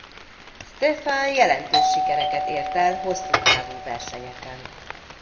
Stéphane jelentős sikereket ért el hosszútávú versenyeken.